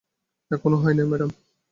এখনো হয় নাই, ম্যাডাম।